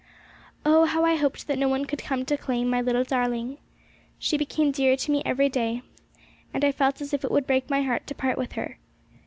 Oh, how I hoped that no one would come to claim my little darling. She became dearer to me every day, and I felt as if it would break my heart to part with her.